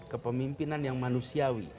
kepemimpinan yang manusiawi